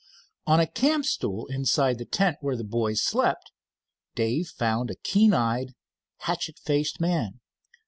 On a campstool inside the tent where the boys slept, Dave found a keen eyed, hatchet faced man.